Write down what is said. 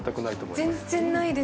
全然ないです。